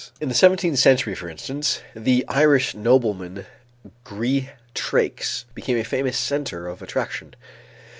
In the seventeenth century, for instance, the Irish nobleman Greatrakes became a famous center of attraction.